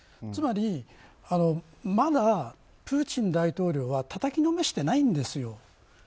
つまり、まだプーチン大統領はたたきのめしてないんですよ。